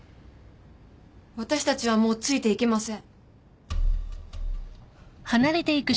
私たちはもうついていけません。